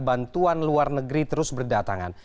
bantuan luar negeri terus berdatangan